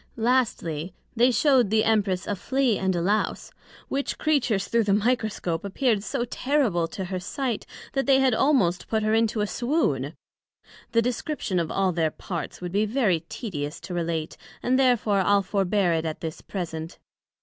Lastly, They shewed the Empress a Flea, and a Lowse; which Creatures through the Microscope appear'd so terrible to her sight, that they had almost put her into a swoon; the description of all their parts would be very tedious to relate, and therefore I'le forbear it at this present.